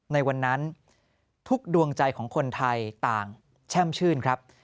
ในวันนั้นทุกดวงใจของคนไทยต่างแช่มชื่นครับ